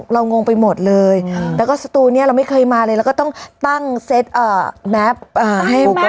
เรางงไปหมดเลยแล้วก็สตูเนี้ยเราไม่เคยมาเลยเราก็ตั้งเซ็ตอ่าแมพอ่าให้